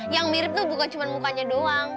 yang mirip tuh bukan cuma mukanya doang